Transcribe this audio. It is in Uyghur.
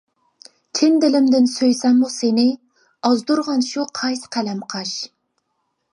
چىن دىلىمدىن سۆيسەممۇ سېنى، ئازدۇرغان شۇ قايسى قەلەم قاش؟ !